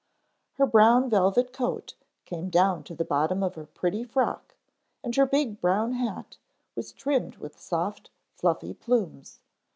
Her brown velvet coat came down to the bottom of her pretty frock, and her big brown hat was trimmed with soft, fluffy plumes.